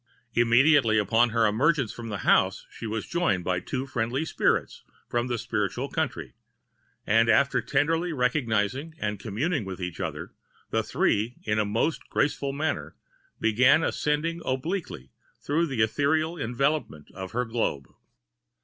Immediately upon her emergement from the house, she was joined by two friendly spirits from the spiritual country, and after tenderly recognizing and communing with each other, the three, in the most graceful manner, began ascending obliquely through the ethereal envelopment of her globe.